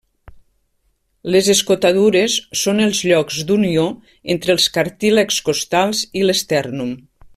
Les escotadures són els llocs d'unió entre els cartílags costals i l'estèrnum.